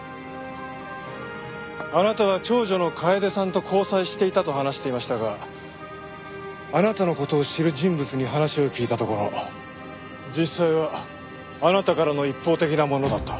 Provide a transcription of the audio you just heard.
あなたは長女の楓さんと交際していたと話していましたがあなたの事を知る人物に話を聞いたところ実際はあなたからの一方的なものだった。